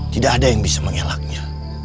tidak ada yang bisa mengelaknya